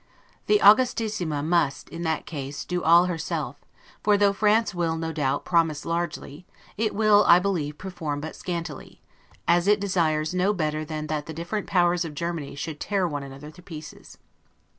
The 'Augustissima' must, in that case, do all herself; for though France will, no doubt, promise largely, it will, I believe, perform but scantily; as it desires no better than that the different powers of Germany should tear one another to pieces.